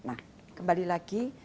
nah kembali lagi